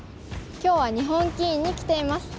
今日は日本棋院に来ています。